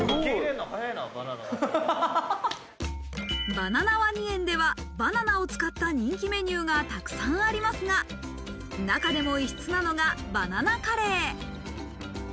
バナナワニ園ではバナナを使った人気メニューがたくさんありますが、中でも異質なのがバナナカレー。